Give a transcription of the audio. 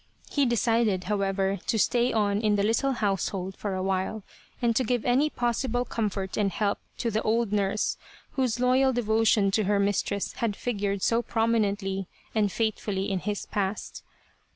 He decided, however, to stay on in the little household for a while, and to give any possible comfort and help to the old nurse whose loyal devotion to her mistress had figured so prominently and fatefully in his past.